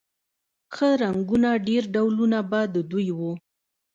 ښه رنګونه ډېر ډولونه به د دوی و